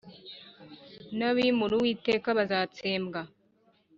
n’abimūra Uwiteka bazatsembwa